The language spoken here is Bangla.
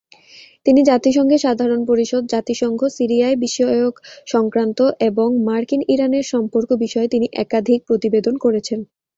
তিনি জাতিসংঘের সাধারণ পরিষদ, জাতিসংঘ, সিরিয়ায় বিষয়ক সংক্রান্ত, এব মার্কিন-ইরানের সম্পর্ক বিষয়ে তিনি একাধিক প্রতিবেদন করেছেন।